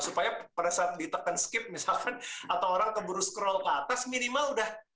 supaya pada saat ditekan skip misalkan atau orang keburu scroll ke atas minimal udah